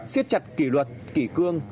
xiết chặt kỷ luật kỷ cương